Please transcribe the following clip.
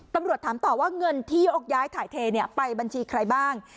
ตำรวจถามต่อว่าเงินที่ยกย้ายถ่ายเทไปบัญชีใครบ้าง